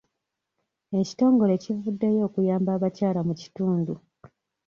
Ekitongole kivuddeyo okuyamba abakyala mu kitundu.